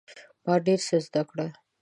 ما ډیر څه زده کړل.